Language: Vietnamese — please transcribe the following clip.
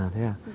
à thế à